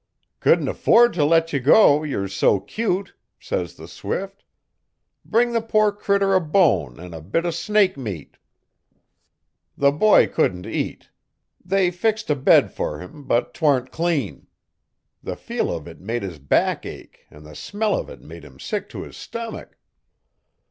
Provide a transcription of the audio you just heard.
'"Couldn't afford t' let ye go yer so cute," says the swift. "Bring the poor critter a bone an' a bit o' snake meat." 'The boy couldn't eat. They fixed a bed fer him, but 'twant clean. The feel uv it made his back ache an' the smell uv it made him sick to his stomach.